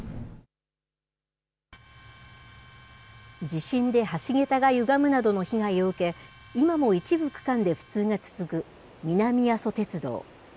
地震で橋げたがゆがむなどの被害を受け、今も一部区間で不通が続く南阿蘇鉄道。